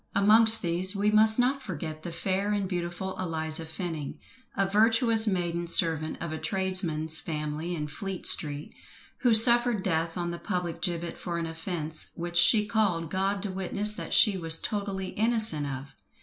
Amongst these we must not forget the fair and beautiful Eliza Fenning, a virtuous maiden servant of a tradesman's family in Fleet Street, who suffered death on the public gibbet for an offence which she called God to witness that she was totally innocent of!